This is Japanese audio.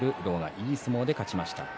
いい相撲で勝ちました。